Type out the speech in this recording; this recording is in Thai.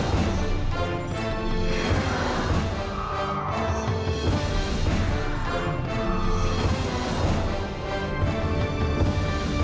เวลาที่สุดท้าย